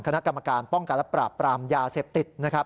คณะกรรมการป้องกันและปราบปรามยาเสพติดนะครับ